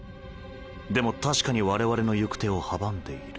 でも確かに我々の行く手を阻んでいる。